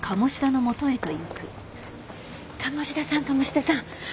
鴨志田さん鴨志田さん。